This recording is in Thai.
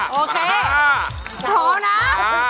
มาก้าวนะมา